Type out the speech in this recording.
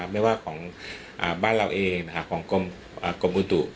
ไม่ว่าของบ้านเราเองของกรมอุตุ